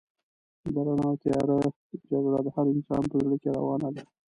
د رڼا او تيارې جګړه د هر انسان په زړه کې روانه ده.